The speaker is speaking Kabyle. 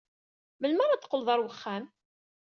Melmi ara d-teqqled ɣer uxxam?